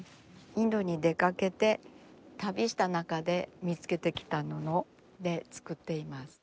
インドに出かけて旅した中で見つけてきた布で作っています。